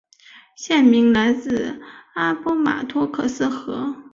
县名来自阿波马托克斯河。